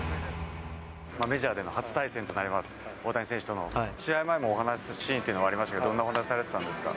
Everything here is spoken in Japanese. メジャーでの初対戦となります、大谷選手との。試合前も、お話しするシーンというのもありましたけど、どんなお話されてたんですか。